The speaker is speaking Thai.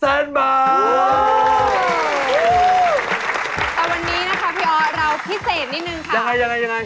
แต่วันนี้นะคะพี่ออสเราพิเศษนิดนึงค่ะยังไงยังไง